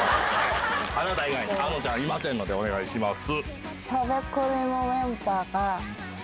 あなた以外にあのちゃんいませんのでお願いします。